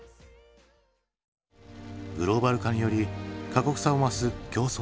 グローバル化により過酷さを増す競争社会。